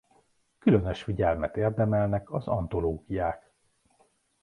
Különös figyelmet érdemelnek az antológiák.